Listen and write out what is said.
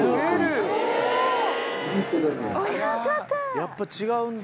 やっぱ違うんだ。